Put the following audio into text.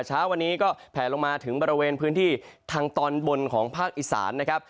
เช้าวันนี้ก็แผลลงมาถึงบริเวณพื้นที่ทางตอนบนของภาคอีสานนะครับ